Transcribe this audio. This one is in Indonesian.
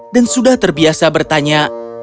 dan sudah terbiasa bertanya